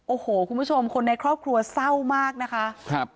โอ้โหคุณผู้ชมคนในครอบครัวเศร้ามากนะคะครับ